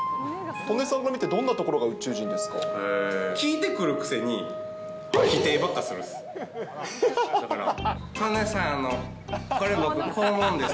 戸根さんから見てどんなとこ聞いてくるくせに、否定ばっかするんです。